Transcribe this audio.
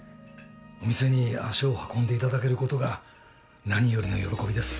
お店に足を運んでいただけることが何よりの喜びです。